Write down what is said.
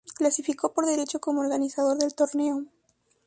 Clasificó por derecho como organizador del torneo.